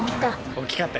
大きかった。